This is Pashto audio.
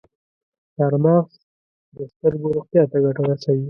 چارمغز د سترګو روغتیا ته ګټه رسوي.